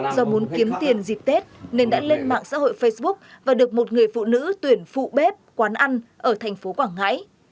do muốn kiếm tiền dịp tết nên đã lên mạng xã hội facebook và được một người phụ nữ tuyển phụ bếp quán ăn ở thành phố quảng ngãi